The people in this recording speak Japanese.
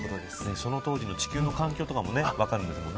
その当時の地球の環境とかも分かるんですもんね。